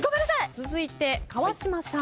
続いて川島さん。